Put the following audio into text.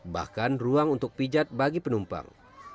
bahkan ruang untuk pijat bagi penumpang